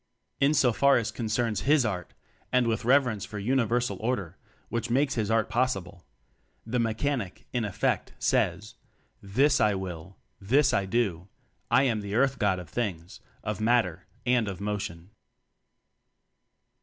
In so far as concerns his art (and with reverence for Uni versal Order, which makes his art pos sible) the Mechanic, in effect, says: "This I will," "Thus I do." "I am the Earth god of things, of matter, and of motion."